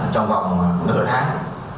trong vòng nửa tháng